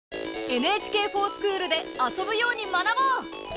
「ＮＨＫｆｏｒＳｃｈｏｏｌ」で遊ぶように学ぼう！